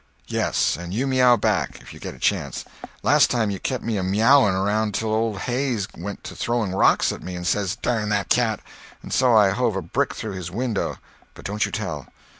"Yes—and you meow back, if you get a chance. Last time, you kep' me a meowing around till old Hays went to throwing rocks at me and says 'Dern that cat!' and so I hove a brick through his window—but don't you tell."